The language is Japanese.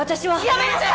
やめなさい！